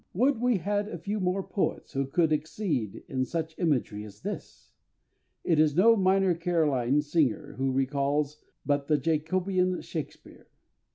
Would we had a few more poets who could exceed in such imagery as this! It is no minor Caroline singer he recalls, but the Jacobean SHAKESPEARE.